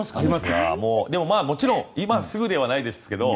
でも、もちろん今すぐではないですけど。